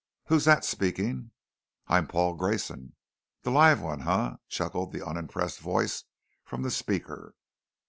"Who's that speaking?" "I'm Paul Grayson." "The live one, huh?" chuckled the unimpressed voice from the speaker.